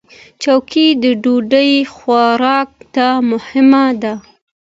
چوکۍ د ډوډۍ خوراک ته مهمه ده.